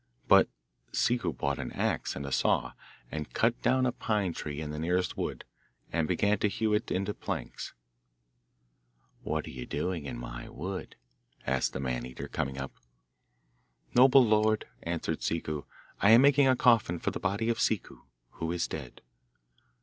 But Ciccu bought an axe and a saw, and cut down a pine tree in the nearest wood, and began to hew it into planks. 'What are you doing in my wood?' asked the Maneater, coming up. 'Noble lord,' answered Ciccu, 'I am making a coffin for the body of Ciccu, who is dead.